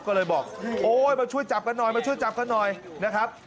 ก็เลยบอกโอ้โฮมาช่วยจับกันหน่อยนะครับ